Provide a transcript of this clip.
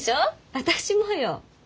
私もよ。